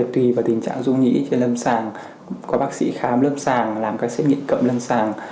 tùy vào tình trạng dung nhĩ trên lâm sàng có bác sĩ khám lâm sàng làm các xét nghiệm cận lâm sàng